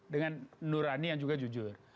dengan nurani yang juga jujur